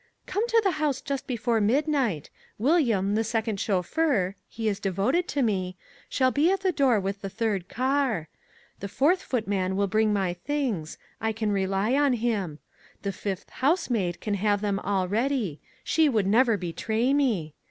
"Come to the house just before midnight. William, the second chauffeur (he is devoted to me), shall be at the door with the third car. The fourth footman will bring my things I can rely on him; the fifth housemaid can have them all ready she would never betray me.